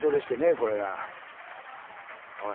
これが。おい。